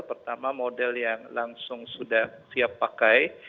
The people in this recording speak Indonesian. pertama model yang langsung sudah siap pakai